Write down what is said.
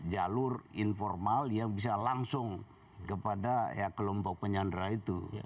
jalur informal yang bisa langsung kepada kelompok penyandera itu